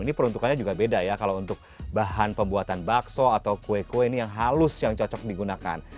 ini peruntukannya juga beda ya kalau untuk bahan pembuatan bakso atau kue kue ini yang halus yang cocok digunakan